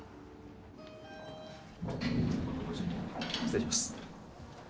失礼します。